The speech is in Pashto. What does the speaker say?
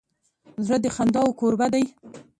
زړه د خنداوو کوربه دی.